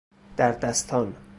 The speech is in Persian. دردستان